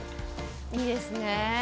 いいですね。